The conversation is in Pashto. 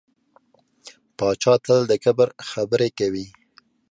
پاچا تل د کبر خبرې کوي .